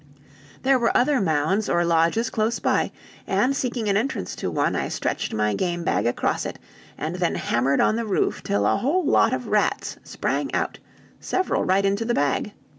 "There were other mounds or lodges close by, and seeking an entrance to one I stretched my game bag across it, and then hammered on the roof till a whole lot of rats sprang out, several right into the bag.